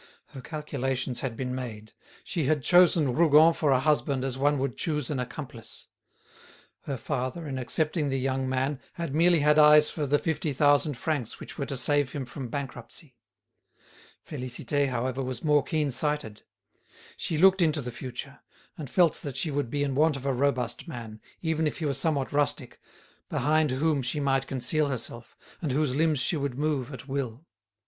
Her calculations had been made; she had chosen Rougon for a husband as one would choose an accomplice. Her father, in accepting the young man, had merely had eyes for the fifty thousand francs which were to save him from bankruptcy. Félicité, however, was more keen sighted. She looked into the future, and felt that she would be in want of a robust man, even if he were somewhat rustic, behind whom she might conceal herself, and whose limbs she would move at will.